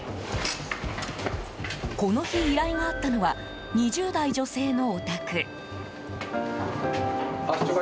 この日、依頼があったのは２０代女性のお宅。